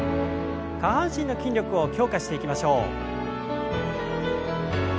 下半身の筋力を強化していきましょう。